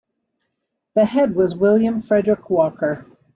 The head was William Frederick Walker.